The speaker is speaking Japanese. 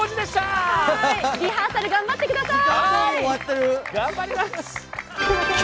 リハーサル頑張ってください。